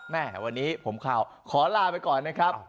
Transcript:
แม่วันนี้ผมข่าวขอลาไปก่อนนะครับ